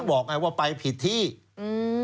บอกไงว่าไปผิดที่อืม